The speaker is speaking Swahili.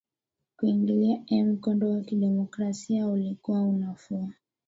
kuingilia ee mkondo wa kidemokrasia ulikuwa unafua